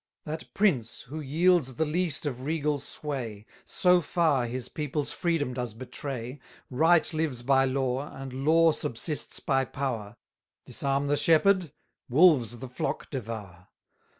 That prince who yields the least of regal sway, So far his people's freedom does betray. 740 Right lives by law, and law subsists by power; Disarm the shepherd, wolves the flock devour.